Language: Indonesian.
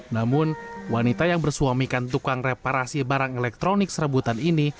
namun wanita yang bersuamikan tukang reparasi barang elektronik serebutan ini